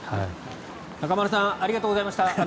中丸さんありがとうございました。